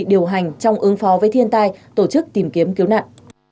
điều hành trong ứng phó với thiên tai tổ chức tìm kiếm cứu nạn